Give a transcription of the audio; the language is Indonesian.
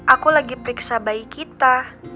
aku lagi periksa bayi kita